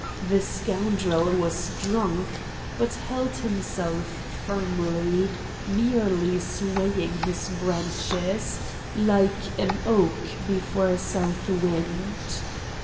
The scoundrel was drunk but held himself firmly, merely swaying his branches, like an oak before a south wind.